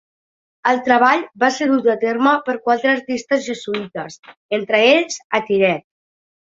El treball va ser dut a terme per quatre artistes jesuïtes, entre ells Attiret.